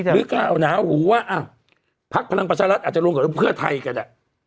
นึกอ่ะนะหรือว่าภักดิ์พลังประชารัฐอาจจะรวมกับเพื่อไทยกันอ่ะ